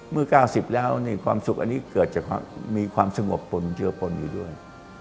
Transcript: เมื่อ๙๐แล้วความสุขอันนี้เกิดจากมีความสงบปนเจือปนอยู่ด้วย